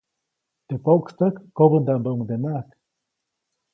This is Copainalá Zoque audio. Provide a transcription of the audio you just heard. Teʼ poʼkstäk kobändaʼmbäʼuŋdenaʼak.